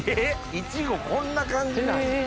イチゴこんな感じなんや。